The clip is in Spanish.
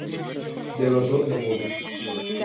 De grosor de muro.